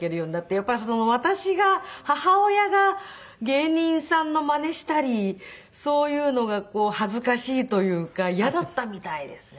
やっぱり私が母親が芸人さんのマネしたりそういうのが恥ずかしいというか嫌だったみたいですね。